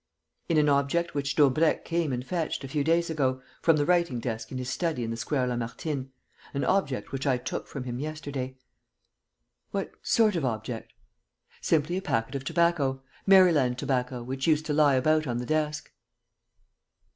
"In an object which Daubrecq came and fetched, a few days ago, from the writing desk in his study in the Square Lamartine, an object which I took from him yesterday." "What sort of object?" "Simply a packet of tobacco, Maryland tobacco, which used to lie about on the desk."